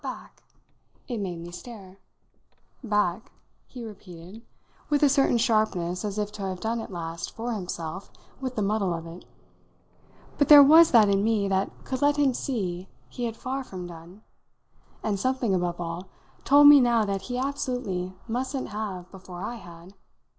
"'Back'?" It made me stare. "Back," he repeated with a certain sharpness and as if to have done at last, for himself, with the muddle of it. But there was that in me that could let him see he had far from done; and something, above all, told me now that he absolutely mustn't have before I had.